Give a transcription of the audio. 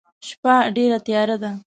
شپه ډيره تیاره ده.